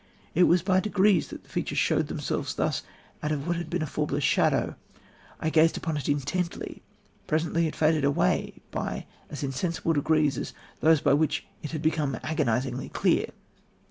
It was by degrees that the features showed themselves thus out of what had been a formless shadow. I gazed upon it intently. Presently it faded away by as insensible degrees as those by which it had become agonisingly clear.